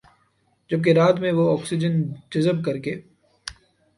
جبکہ رات میں وہ آکسیجن جذب کرکے